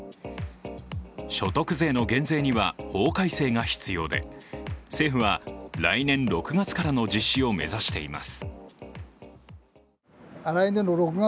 所得税の減税には法改正が必要で政府は来年６月からの実施を目指しています。